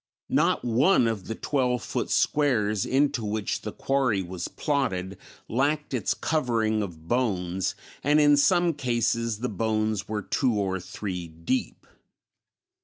Not one of the twelve foot squares into which the quarry was plotted lacked its covering of bones, and in some cases the bones were two or three deep.